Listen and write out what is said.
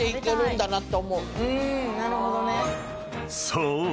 ［そう。